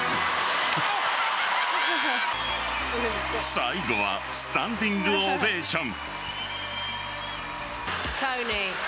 最後はスタンディングオベーション。